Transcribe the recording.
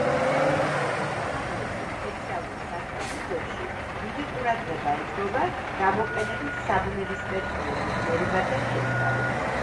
უმაღლეს სპეციალურ სასწავლებლებში დიდი ყურადღება ეთმობა გამოყენებით საბუნებისმეტყველო მეცნიერებათა შესწავლას.